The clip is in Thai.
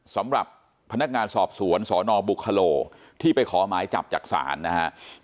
สำหรับพนักงานสอบสวนสนบุคโลที่ไปขอหมายจับจากศาลนะครับ